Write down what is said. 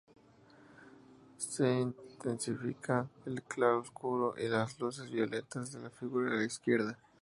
Se intensifica el claroscuro y las luces violentas de la figura de la izquierda.